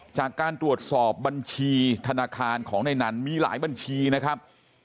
จากการตรวจสอบบัญชีธนาคารของในนั้นมีหลายบัญชีนะครับ